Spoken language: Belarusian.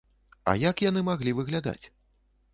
А як яны маглі выглядаць?